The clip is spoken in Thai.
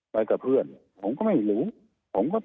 ไปกับเพื่อนผมก็ไม่รู้ผมก็